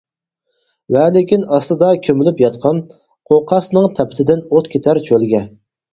ۋەلىكىن ئاستىدا كۆمۈلۈپ ياتقان، قوقاسنىڭ تەپتىدىن ئوت كېتەر چۆلگە.